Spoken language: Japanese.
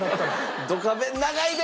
『ドカベン』長いで。